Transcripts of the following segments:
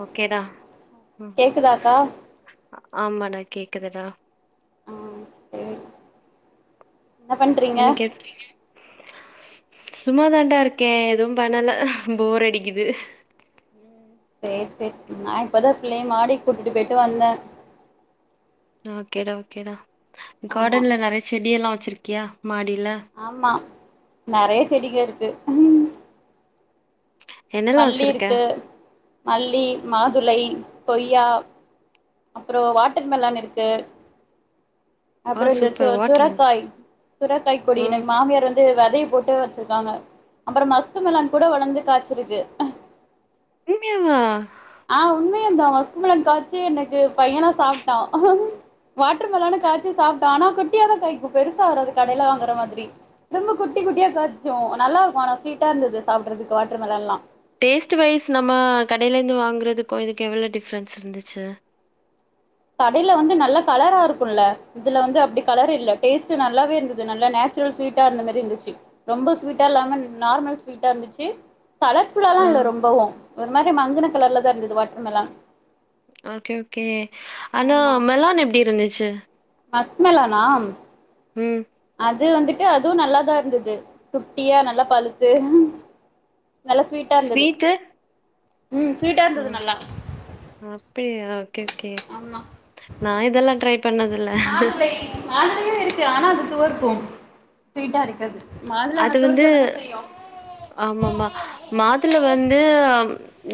ஓகேடா ம் கேக்குதாக்கா ஆமாடா கேக்குதுடா ஆ சேரி என்ன பண்றீங்க எனக்கு [inaudible] சும்மா தான்டா இருக்கே எதுவும் பண்ணல போர் அடிக்கிது சேர் சேர் நா இப்பதா பிள்ளைய மாடிக் கூட்டிட்டு போயிட்டு வந்தே ஓகேடா ஓகேடா ஆமா காடன்ல நறைய செடியெல்லா வச்சுருக்கியா மாடில ஆமா நெறைய செடிக இருக்கு என்னெல்லா மல்லி வச்சிருக்க இருக்கு மல்லி, மாதுளை, கொய்யா அப்புறோ வாட்டர் மெலான் இருக்கு அப்றோ ஆ இந்த சு சூப்பர் வாட்டர் சுரக்காய் சுரக்காய் கொடி ம் எனக் மாமியார் வந்து வெதைய போட்டு வ ச்சுர்க்காங்க அப்புறோ மஸ்க்குமெலன் கூட வளந்து காச்சிருக்கு உண்மயாவா ஆ உண்மயதா மஸ்க்குமெலன் காச்சு எனக்கு பையனா சாப்ட்டா வாட்டர் மெலானு காச்சு சாப்ட்டொ ஆனா குட்டியாதா காய்க்கு பெருசா வராது கடைல வாங்குற மாதிரி ரொம்ப குட்டி குட்டியா காச்சு நல்லாருக்கு ஆனா ஸ்வீட்டா இருந்தது சாப்புட்றதுக்கு வாட்ரு மெலன்லா டேஸ்ட்டு வைஸ் நம்ம கடைலேந்து வாங்குறதுக்கு இதுக்கு எவ்வள டிஃப்ரென்ஸ் இருந்துச்சு கடைல வந்து நல்ல கலரா இருக்குல்ல இதுல வந்து அப்டி கலர் இல்ல டேஸ்ட்டு நல்லாவே இருந்தது நல்லா நேச்சுரல் ஸ்வீட்டா இருந்த மாரி இருந்துச்சு ரொம்ப ஸ்வீட்டா இல்லாம நார்மல் ஸ்வீட்டா இருந்துச்சு கலர்ஸ் ஃபுல்லால ஆ இல்ல ரொம்பவு ஒரு மாரி மங்குன கலர்ல தா இருந்தது வாட்ருமெலான் ஓகே ஓகே ஆனா மெலான் எப்டி இருந்துச்சு? மஸ்க்மெலானா? ம் அது வந்துட்டு அதுவு நல்லாதா இருந்தது குட்டியா நல்லா பழுத்து நல்ல ஸ்வீட் ஸ்வீட்டு ஸ்வீட்டா இருந்தது நல்லா ஓகே அப்டியா ஓகே ஓகே ஆமா நா இதெல்லா ட்ரை பண்ணதில்ல மாதுளை மாதுளையு இருக்கு ஆனா அது துவர்க்கு ஸ்வீட்டா இருக்காது மாதுள ஆனா துவர்க்க தான செய்யு ஆமமா மாதுள வந்து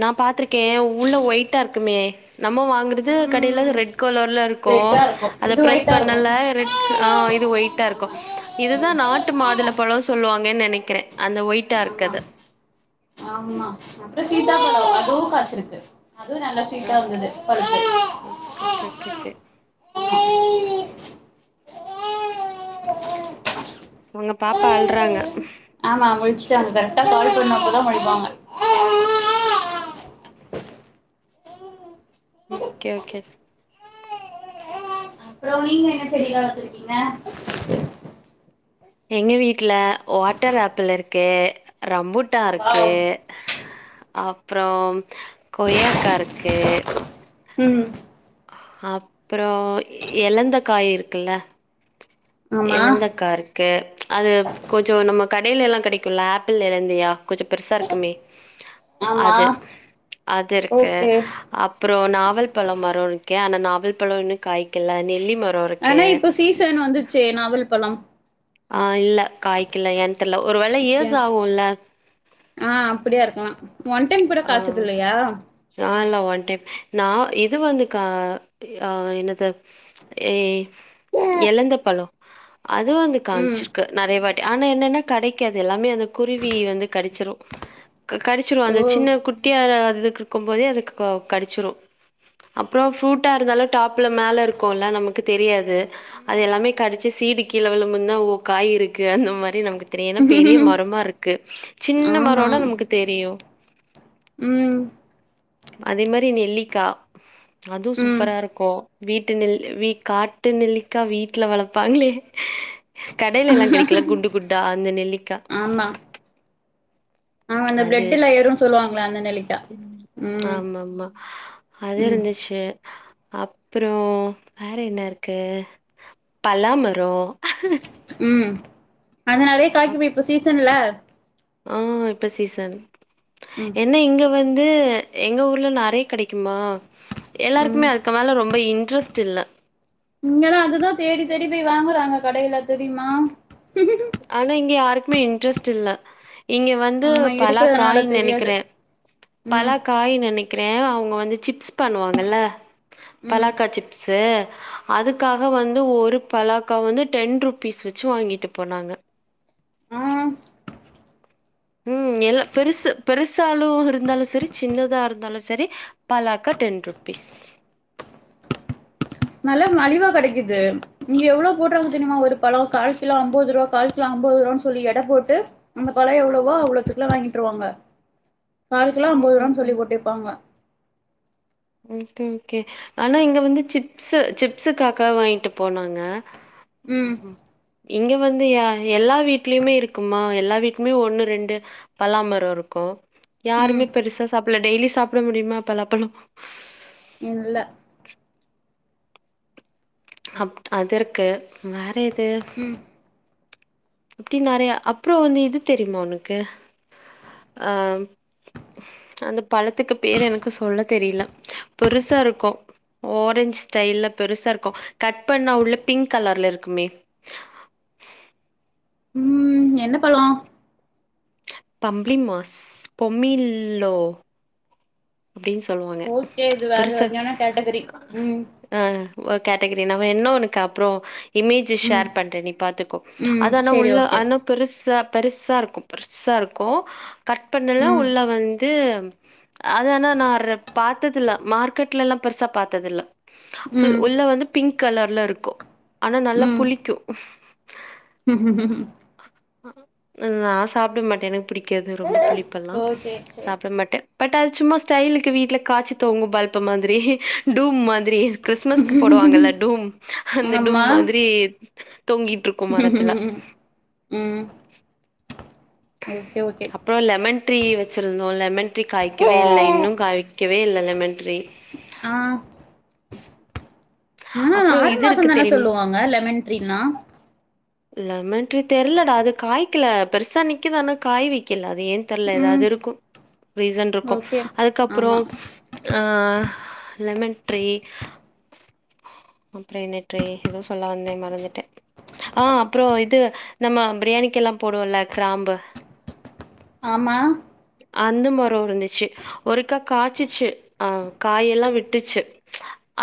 நா பாத்துருக்கே உள்ள ஒயிட்டா இருக்குமே நம்ம வாங் குறது கடைல அது ம் ரெட் கலர்ல இருக்கு ரெட்டா இருக்கு அத இது பிரஸ் ஒயிட்டா பண்ணல இருக்கு ரெட் ஆ இது ஒயிட்டா இருக்கு ஆமா இதுதா நாட்டு மாதுள ம் பழோ சொல்லுவாங்கன் நெனக்கிறே அந்த ஒயிட் ஆமா ஆமா அப்றொ சீதாப்பழோ அதுவு காச்சுருக்கு அதுவு நல்ல ஸ்வீட்டா இருந்துது பல்ப்பு க கெ கெ கே [unintelligible] உங்க பாப்பா அள்றாங்க ஆமா முழிச்டாங்க கரெக்டா கால் பண்ணப்பதா முழிப்பாங்க ம் கே ஓகே அப்புறோ நீங்க என்ன செடிலாம் வளத்துருக்கீங்க எங்க வீட்டில வாட்டர் ஆப்பிள் இருக்கு ரம்புட்டான் இருக்கு வாவ் அப்புறோ கொய்யாக்கா இருக்கு ம் அப்புறோ எலந்த காய் இருக்குல்ல ஆமா எழந்தக்கார் கு அது கொஞ்சோ நம்ம கடேல எல்லா கடைக்கும்ல ஆப்பிள் எழுந்தியா கொஞ்சோ பெருசா இருக்குமே [inaudible] அது அது இருக்கு ஓகே அப்புறோ நாவல் பழ மரோ இருக்க ஆனா நாவல் பழ இன்னு காய்கல நெல்லி மர ஆனா இப்ப சீசன் வந்துச்சே நாவல் பழம் ஆ இல்ல காய்க்கல ஏன்னு தெர்ல ஒரு வேளை இயர்ஸ் அப்டியா ஆகும்ல்ல ஆ அப்படியா இருக்கலாம் ஒன் டைம் கூட காய்ச்சது இல்லையா ஆ இல்ல ஒன் டைம் நான் இது வந்து கா ஆ என்னது ஏ எழந்த பழம் அதுவும் வந்து ம் காச்சிருக்கு நறைய வாட்டி ஆனா என்னன்னா கடைக்காது எல்லாமே அது குருவி வந்து கடிச்சிரும் கடிச்சிரு ஓ அந்த சின்ன குட்டியா அது இருக்கும் போதே அது கடிச்சிரும் அப்புறம் ஃப்ரூட்டா இருந்தாலும் டாப்ல மேல இருக்குல்ல நமக்கு தெரியாது அது எல்லாமே கடிச்சு சீடு கீழ விழும்பு ந்தா ஓ காய் இருக்கு அந்த மாதிரி நமக்கு தெரியும் ஏன்னா பெரிய ம் மரமா இருக்கு சின்ன ஆமா மரம்னா நமக்கு தெரியும் ம் அதே மாரி நெல்லிக்கா அதுவும் ம் சூப்பரா இருக்கும் வீட்டு நெல் வீ காட்டு நெல்லிக்கா வீட்டுல வளப்பாங்களே கடையிலல்லாம் கிடைக்கு ல்ல குண்டு குண்டா அந்த நெல்லிக்கா ஆமா ஆமா அந்த அது பிளட்ல ஏறும்னு சொல்லுவாங்களே அந்த நெல்லிக்கா ம் ஆமாமா அது ம் இருந்துச்சு அப்புறம் வேற என்ன இருக்கு பலா மரம் ம் அது நறையா அப் காய்குமே இப்ப சீசன்ல ஆ இப்ப சீசன் ம் என்ன இங்க வந்து எங்க ஊர்ல நறைய கிடைக்குமா ம் எல்லாருக்குமே அதுக்கு மேல ரொம்ப இன்ட்ரெஸ்ட் டுல் ல இங்கல்லாம் அதுதான் தேடி தேடி போய் வாங்குறாங்க கடையில தெரியுமா ஆனா இங்க யாருக்குமே இன்டரஸ்ட் இல்ல இங்க வந்து ஆமா இருக்கிறதுனால பலாக்காய் தெரியாது நினைக்கிறேன் பலா ம் க் காய் நினைக்கிறேன் அவங்க வந்து சிப்ஸ் பண்ணுவாங்கல ம் பலாக்கா சிப்ஸ் சே அதுக்காக வந்து ஒரு பலாக்கா வந்து டென் ருபீஸ் வச்சு வாங்கிட்டு போனாங்க ஆங் ம் எல்ல பெருசு பெருசாலும் இருந்தாலும் சரி சின்னதா இருந்தாலும் சரி பலா க்கா டென் ரூபிஸ் நல்ல மாலிவா கிடக்குது இங்க எவ்ளோ போடுறாங்க தெரியுமா ஒரு பழம் கால் கிலோ ஐம்பது ரூபா கால் கிலோ ஐம்பது ரூபான்னு சொல்லி எட போட்டு அந்த பழோ எவ்வளோவோ அவ்ளோதுக்குல வாங்கிட்டுருவாங்க காலுக்குெல்லா ம் ஐம்பது ம் ரூபான்னு ம் ம் சொல்லிட்டிருப்பாங்க ஓகே ஓகே ஆனா இங்க வந்து சிப்ஸ் சிப்ஸக்காக வாங்கிட்டு போனாங்க ம் இங்க வந்து யா எல்லா வீட்லயுமே இருக்குமா எல்லா வீட்டுமே ஒண்ணு ரெண்டு பலாமரம் இருக்கு ம் யாருமே பெருசா சாப்பிட டெய்லி சாப்பிட முடியுமா பலாப்பழோ இல்ல அப் அது இருக்கு வேற எது ம் இப்டி நறைய அப்புறோ இது தெரியுமா உனக்கு ஆ அந்த பழத்துக்கு பேரு எனக்கு சொல்ல தெரில பெருசா இருக்கு ஓரஞ்ச் ஸ்டைல்லல பெருசா இருக்கு கட் பண்ணா உள்ள பிங்க் கலர்ல இருக்குமே ம் என்ன பழோ பாம்ப்லி மாஸ் பமில்லோ அப்டின்னு சொல்லுவாங்க ஓகே இது வேற பெருசா வகையான கேட்டகரி ம் ஆ ஒரு கேட்டகரி ந என்ன ஒன்னுக்கு அப்புறோ இமேஜ் ம் ஷேர் பண்றே நீ பாத்துக்கோ ம் அது ஆனா சேரி உள்ள ஓகே ஆனா பெருசா பெருசா இருக்கு பெருசா இருக்கு கட் பண்ணல ம் உள்ள வந்து அது ஆனா நா ர பாத்ததில்ல மார்க்கெட்ல எல்லா பெருசா பாத்ததில ஃபுல் ம் உள்ள வந்து பிங்க் கலர்ல இருக்கு ஆனா நல்லா ம் புளிக்கு நா சாப்ட மாட்டே எனக்கு பிடிக்காது ரொம்ப புளிப்பெல்லா ஓ சேரி சேரி சாப்பிட மாட்டே பட் அது சும்மா ஸ்டைல்க்கு வீட்ல காச்சு தொங்கு பல்ப் மாதிரி டூம் மாத்ரி கிறிஸ்மஸ்க்கு போடுவாங்கல்ல டூம் அந்த டூம் ஆமா மாதிரி தொங்கிட்டு இருக்கு மரத்துல ம் ஓகே ஓகே அப்ற லெமன் ட்ரீ வச்சிருந்தோ லெமன் ட்ரீ ஆ காய்கவே இல்ல இன்னு காய்கவே இல்ல லெமன் ட்ரீ ஆ ஆனா அது அப்றோ ஆறு இது மாச இருக்கு தான தெரியும் சொல்லுவாங்க லெமன் ட்ரீல்லா லமன்ட்ரி தெர்லடா அது காய்க்கல பெருசா நிக்குது ஆனா காய் வைக்கல அது ஏன் தெர்ல ஏதாது ம் இருக்கு ரீசன் இருக்கு ஓகே அதுக்கப்றோ ஆமா ஆ லெமன் ட்ரீ அப்றோ என்னட்ரி எதோ சொல்ல வந்தே மறந்துட்டெ ஆ அப்ற இது நம்ம பிரியாணிக்கு எல்லா போடுவுல கிராம்பு ஆமா அந்த மரோ இருந்துச்சு ஒருகா காய்ச்சிச்சு அ காயெல்லா விட்டுச்சு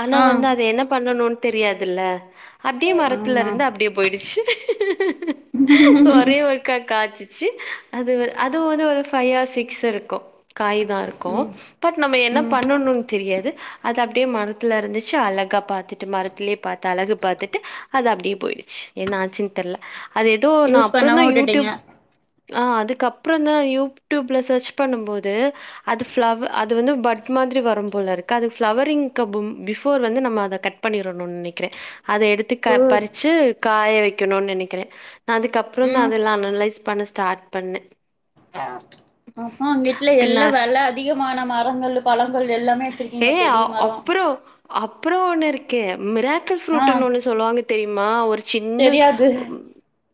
ஆனா ஆ வந்து அத என்ன பண்ணணு னு தெரியாதுல்ல அப்டியே மரத்துல ஆமா இருந்து அப்டியே போயிடுச்சு ஒரெ ஒரு க்க காய்ச்சிச்சு அது அதுவு வ ஒரு ஃபை ஆர் சிக்ஸ் இருக்கு காய் தா இருக் ம் இருக்கு பட் நம்ம என்ன ம் பண்ணணு தெரியாது அது அப்டியே மரத்துல இருந்துச்சு அழகு அக்கா பாத்துட்டு மரத்திலெ பாத்து அழகு பாத்துட்டு அது அப்டியே போயிடுச்சு என்ன ஆச்சுன்னு தெர்ல அது ஏதோ நா யூஸ் அப்ற தா பண்ணாம விட்டுட்டீங்க யூடுப் ஆ அதுக்கப்றம் தா யூடியூப்ல சர்ச் பண்ணும்போது அது ஃப்ளவ அது வந்து பட் மாதிரி வரும் போல இருக்கு அது ஃப்ளவரிங் கப்பும் பிஃபோர் வந்து நம்ம அது கட் பண்ணிர்ணு நினைக்றெ அத எடுத்து க ஓ பறிச்சு காய வைக்கணுனு நினைக்கிறே நா அதுக்கப்றமந்தா ம் அதெல்லா அனலைஸ் பண்ண ஸ்டார்ட் பண்ணே அப்ப உங்க வீட்ல அப்படி எல்லா நான் வில அதிகமான மரங்கள் பழங்கள் எல்லாமே ஏ வச்சிருக்கீங்க செடி மரோ அப்புறோ அப்புற ஒண்ணு இருக்கே மிராக்கிள் ஆ ஃப்ரூட்ன்னு ஒண்ணு சொல்லுவாங்க தெரியுமா ஒரு சின்ன தெரியாது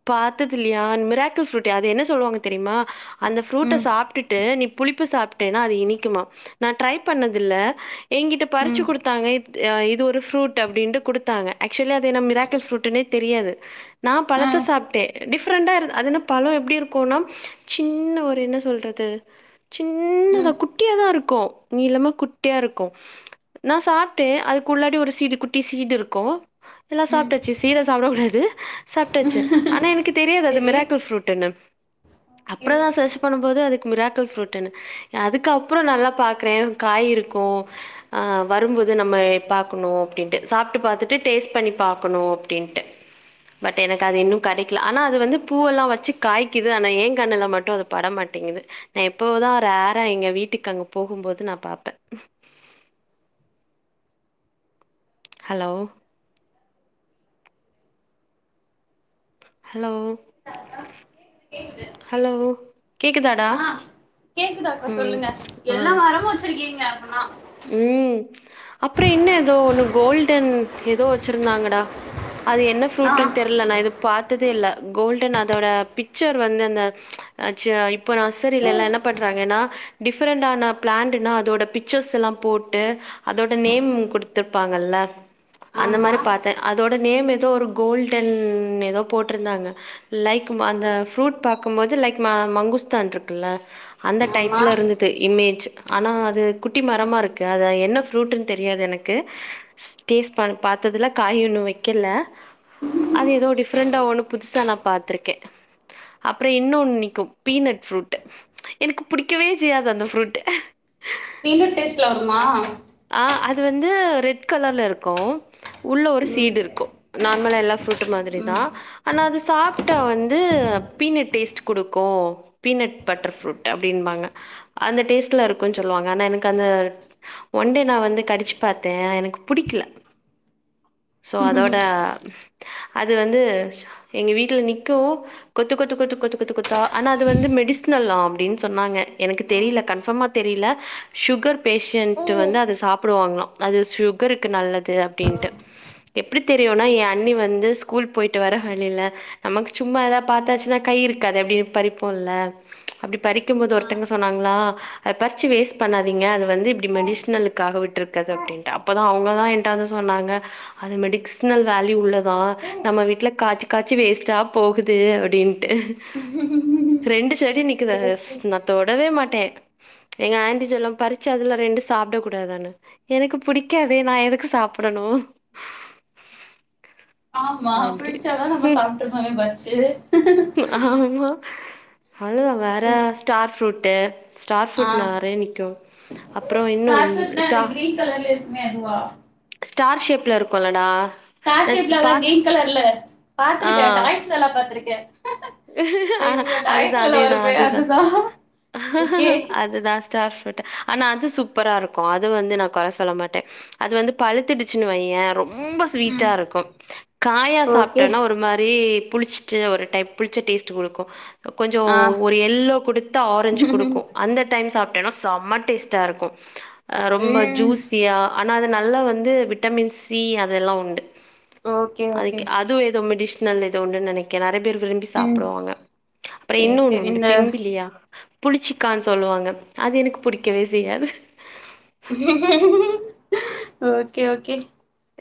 பாத்தது இல்லையா மிராக்கிள் ஃப்ரூட் அது என்ன சொல்லுவாங்க தெரியுமா அந்த ஃப்ரூட்ட ம் சாப்ட்டுட்டு நீ புளிப்பு சாப்ட்டேன்னா அது இனிக்குமா நா ட்ரை பண்ணதில்ல எங்கிட்ட பறிச்சு ம் குடுத்தாங்க அ இது ஒரு ஃப்ரூட் அப்டின்டு குடுத்தாங்க ஆக்சுவலா அது என்ன மிராக்கல் ஃப்ரூட்டுன்னே தெரியாது நா ஆ பழத்த சாப்ட்டே டிஃப்ரெண்டா இரு அதுன்ன பழ எப்டி இருக்குனா சின்ன ஒரு என்ன சொல்றது து சின்னதா ம் குட்டிய தா இருக்கு நீளமா குட் டியா இருக்கு நா சாப்ட்டே அதுக்குள்ளாடி ஒரு சீடு குட்டி சீடு இருக்கு எல்லா ம் சாப்ட்டாச்சு சீட சாப்ட கூடாது சாப்ட்டாச்சு ஆனா எனக்கு தெரியாது அது செரி மிராக்கல் ஃப்ரூட்ன்னு அப்றம்தா சர்ச் பண்ணும் போது அதுக்கு மிராக்கல் ஃப்ரூட்னு அதுக்கப்புற நல்லா பாக்குறே காய் இருக்கு அ வரும்போது நம்ம பாக்கணு அப்டின்டு சாப்ட்டு பாத்துட்டு டேஸ்ட் பண்ணி பாக்கனு அப்டின்ட்டு பட் எனக்கு அது இன்னு கிடைக்கல ஆனா அது வந்து பூவெல்லா வச்சு காய்குது ஆனா ஏன் கண்ணுல மட்டு அது பட மாட்டிங்குது நா எப்போதா ரேரா எங்க வீட்டுக்கு அங்க போகும்போது நா பாப்பே ஹலோ ஹலோ கேக்குது கேக்குது. ஹலோ கேக்குதாடா கேக்குதா அக்கா சொல்லுங்க ஆ எல்லா மரமு வச்சிருக்கீங்க அப்பனா ம் அப்புற என்ன எதோ ஒண்ணு கோல்டன் எதோ வச்சிருந்தாங்கடா அது என்ன ஆ ஃப்ரூட்டுன் தெர்ல நா இது பாத்ததே இல்ல கோல்டன் அதோட பிக்சர் வந்து அந்த அச் இப்ப நர்சரிலலா என்ன பண்றாங்கன்னா டிஃபரண்டான பிளான்டுனா அதோட பிக்சர்ஸ் எல்லா போட்டு அதோட நேம் குடுத்துருப்பாங்கல்ல அந்த ஆமா மாரி பாத்தே அதோட நேம் எதோ ஒரு கோல்டன் எதோ போட்டிருந்தாங்க லைக் அந்த ஃப்ரூட் பாக்கம் போது லைக் மங்குஸ்தான் இருக்குல்ல அந்த ஆமா டைப்ல இருந்தது இமேஜ் ஆனா அது குட் ட்டி மரமா இருக்கு அத என்ன ஃப்ரூட்ன்னு தெரியாது எனக்கு டேஸ்ட் ப பாத்தது இல்ல காய் இன்னு வைக்கல அது எதோ டிஃப்ரெண்டா ஒண்ணு புதுசா நா பாத்திருக்கே அப்புற இன்னொன்னு நி்க்கு பீனட் ஃப்ரூட்டு எனக்கு புடிக்கவே செய்யாது அந்த ஃப்ரூட் பீனட் டேஸ்ட்ல வருமா ஆ அது வந்து ரெட் கலர்ல இருக்கு உள்ள ஒரு ம் சீடு இருக்கு நார்மலா எல்லா ஃப்ரூட்டு மாதிரி ம் தா ஆனா அது சாப்ட்டா வந்து பீனட் டேஸ்ட்டு குடுக்கு பீனட் பட்டர் ஃப்ரூட் அப்படின்பாங்க அந்த டேஸ்ட்ல இருக்குன்னு சொல்லுவாங்க ஆனா எனக்கு அந்த ஒன்டே நா வந்து கடிச்சு பாத்தே எனக்கு பிடிக்கல சோ அதோட ம் அது வந்து எங்க வீட்ல நிக்கு கொத்து கொத்து கொத்து கொத்து கொத்து கொத்தா ஆனா அது வந்து மெடிசினலா அப்டின்னு சொன்னாங்க எனக்கு தெரியல கன்ஃபர்மா தெரியல சுகர் ஓ பேஷன்ட் வந்து அத சாப்பிடுவாங்கலா அது சுகருக்கு நல்லது அப்படின்ட்டு எப்டி தெரியுன்னா ஏ அண்ணி வந்து ஸ்கூல் போயி்ட்டு வர வழில நமக்கு சும்மா ஏதா பாத்தாச்சுன்னா கை இருக்காது அப்டியே பறிப்போ இல்ல அப்டி பறிக்கும்போது ஆமா ஒருத்தங்க சொன்னாங்களா அத பறிச்சு வேஸ்ட் பண்ணாதீங்க அது வந்து இப்டி மெடிஸ் னலுக்காக விட்டு இருக்கது அப்படின்ட்டு அப்பதா அவங்கதா என்ட்டவந்து சொன்னாங்க அது மெடிக்சனல் வேல்யூ உள்ளதா நம்ம வீட்ல காச்சு காச்சி வேஸ்ட்டா போகுது அப்டின்ட்டு ரெண்டு செடி நிக்குது அத சேரி சேரி வச்சு நா தொடவே மாட்டே எங்க ஆண்ட்டி சொல்லும் பறிச்சு அதுல ரெண்டு சாப்பிட கூடாதானு எனக்கு புடிக்காதே நா எதுக்கு சாப்டணு ஆமா அப்டி பிடிச்சாதா நம்ம ம் சாப்ட்ருபோமே பர்ச்சு ஆமா அதா வேற ஸ்டார் ஃப்ரூட் ஸ்டார் ஃப்ரூட் நறையா நிக்கு அப்றோ ஸ்டார் இன்னொன்னு ஃப்ரூட்னா அந்த ஸ்டா க்ரீன் கலர்ல இருக்குமே அதுவா ஸ்டார் ஷேப்ல இருக்குல்லடா ஸ்டார் நா ஷேப்லதா பாத் க்ரீன் கலர்ல பாத்துருக்கேன் டாய்ஸ்ல எல்லா பாத்திருக்கே இந்த அ இவங்க அதுதா டாய்ஸ்லல்லா அதேதா வருமே அதுதா ஓகே அதுதா ஸ்டார் ப்ரூட்டு ஆனா அது சூப்பரா இருக்கு அது வந்து நா கொற சொல்ல மாட்டே அது வந்து பழுத்தடிச்சுன்னு வையே ரொம்ப ம் ஸ்வீட்டா இருக்கு காயா ஓகே சாப்பிட்டனா ஒரு மாதிரி புளிச்சுட்டு ஒரு டைப் புளிச்ச டேஸ்ட் குடுக்கு கொஞ்சோ ஆ ஒரு எல்லோ கொடுத்து ஆரஞ்ச் ம் குடுக்கு அந்த டைம் சாப்பிட்டேன்னா செம டேஸ்ட்டா இருக்கு அ ரொம்ப ஜூஸ் சியா ஆனா அது நல்லா வந்து விட்டமின் சி அதெல்லா உண்டு ஓகே அது ஓகே கே அது எதோ மெடிஷ்னல் எதோ உண்டுன்னு நெனக்கற நெறய பேர் விரும்பி ம் சாப்டுவாங்க அப்றோ சேரி இன்னோண்ணு சேரி உண்டு இந்த பிம்பிலியா புளிச்சிக்கானு சொல்லுவாங்க அது எனக்கு புடிக்கவே செய்யாது ஓகே ஓகே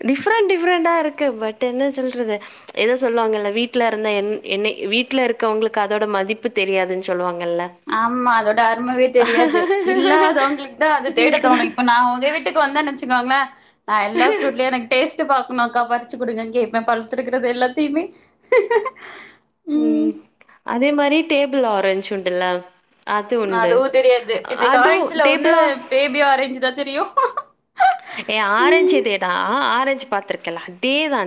டிஃப்ரண்ட் டிஃப்ரெண்டா இருக்கு பட் என்ன சொல்றது எதோ சொல்வாங்கல்ல வீட்லருத என் என்னை வீட்ல இருக்கவ்ங்களுக்கு அதோட மதிப்பு தெரியாதுன் சொல்வாங்கல்ல ஆமா அதோட அருமவே தெரியாது இல்லாதவ்ங்ளுக் தா அது தேட உங்களுக்குதா தோணு இப்ப நா உதவி வீட்டுக் வந்தன்னச்சுக்கோங்ளே நா எல்லா ஃப்ரூட்லயு எனக் டேஸ்டு பாக்ணுகா தா ஃபர்ஸ்ட் வச்சு குடுங்கங்கன் கேப்ப பழு்த்ருக்றது எல்லாத்தையுமே ம் அதே மாரி டேபுள் ஆரஞ்ச் உண்டுல்ல அது உண்டு அதுவு தெரியாது எனக் அதுவு ஆரஞ்சுல ஒண்ணு டேபிள் ஆ பேபி ஆரேஞ் தா தெரியு ஏ ஆரேஞ்ச் ம் இதேதா ஆ ஆரேஞ் பாத்ருக்கேல அதே தா